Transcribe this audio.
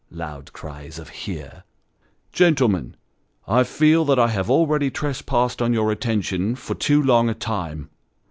(Loud cries of hear!) Gentlemen, I feel that I have already trespassed on your attention for too long a time.